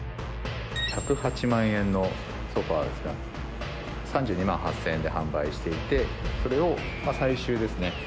１０８万円のソファですが３２万８０００円で販売していてそれをまあ最終ですね